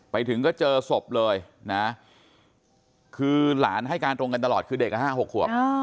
ไปถึงก็เจอศพเลยนะคือหลานให้การตรงกันตลอดคือเด็ก๕๖ขวบ